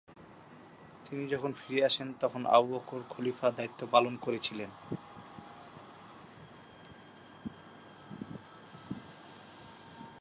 তিনি যখন ফিরে আসেন তখন আবু বকর খলিফা দায়িত্ব পালন করছিলেন।